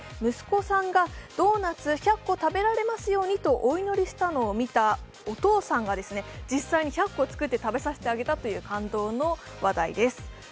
息子さんがドーナツ１００個食べられますようにとお祈りしたのを見たお父さんが実際に１００個作って食べさせてあげたという感動の話題です。